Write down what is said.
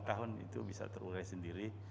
lima tahun itu bisa terurai sendiri